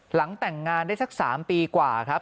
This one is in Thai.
หลังแต่งงานได้สัก๓ปีกว่าครับ